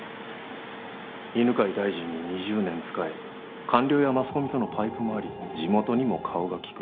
犬飼大臣に２０年仕え官僚やマスコミとのパイプもあり地元にも顔が利く。